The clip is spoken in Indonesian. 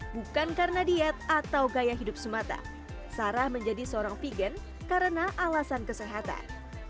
bukan karena diet atau gaya hidup semata sarah menjadi seorang vegan karena alasan kesehatan